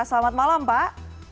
selamat malam pak